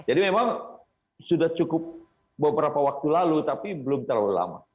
jadi memang sudah cukup beberapa waktu lalu tapi belum terlalu lama